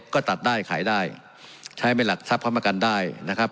ก็ตัดได้ขายได้ใช้เป็นหลักทรัพย์ค้ำประกันได้นะครับ